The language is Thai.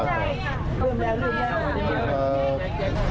ขอบคุณครับ